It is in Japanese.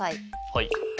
はい。